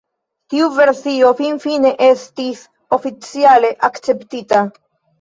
Tiu versio finfine estis oficiale akceptita.